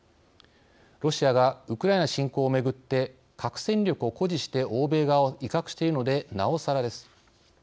ロシアがウクライナ侵攻を巡って核戦力を誇示して欧米側を威嚇しているのでなおさらです。